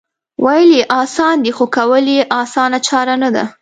وېل یې اسان دي خو کول یې اسانه چاره نه ده